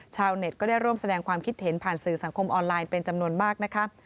เน็ตก็ได้ร่วมแสดงความคิดเห็นผ่านสื่อสังคมออนไลน์เป็นจำนวนมากนะคะ